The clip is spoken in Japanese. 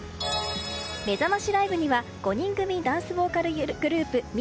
めざましライブには５人組ダンスボーカルグループＭ！